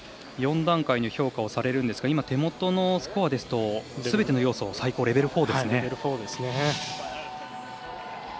４段階の評価をされるんですが手元のスコアですとすべての要素が最高、レベル４ですね。